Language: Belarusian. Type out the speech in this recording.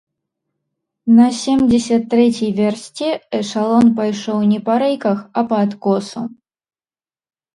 На семдзесят трэцяй вярсце эшалон пайшоў не па рэйках, а па адкосу.